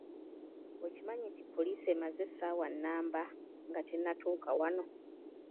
Okimanyi nti poliisi emaze essaawa nnamba nga tennatuuka wano?